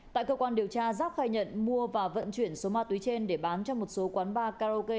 tại cơ quan điều tra giáp khai nhận mua và vận chuyển số ma túy trên để bán cho một số quán bar karaoke